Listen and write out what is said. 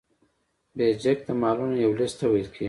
بیجک د مالونو یو لیست ته ویل کیږي.